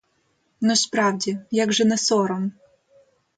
Ну, справді, як же не сором?